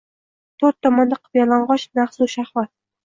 Toʼrt tomonda qip-yalangʼoch nahsu shahvat.